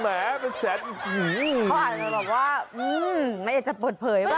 เขาอาจจะบอกว่าอืมมันอาจจะเปียดเผยบ้าง